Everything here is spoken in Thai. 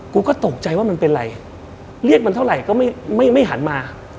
กูก็ตกใจว่ามันเป็นอะไรเรียกมันเท่าไหร่ก็ไม่หันมา